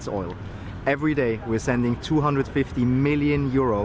setiap hari kita akan menghantar dua ratus lima puluh juta euro